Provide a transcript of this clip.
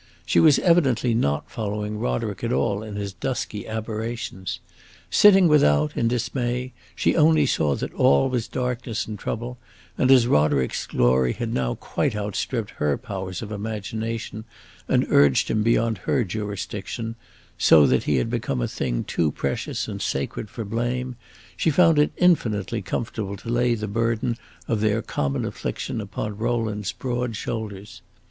She was evidently not following Roderick at all in his dusky aberrations. Sitting without, in dismay, she only saw that all was darkness and trouble, and as Roderick's glory had now quite outstripped her powers of imagination and urged him beyond her jurisdiction, so that he had become a thing too precious and sacred for blame, she found it infinitely comfortable to lay the burden of their common affliction upon Rowland's broad shoulders.